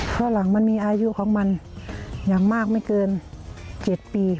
เพราะหลังมันมีอายุของมันอย่างมากไม่เกิน๗ปี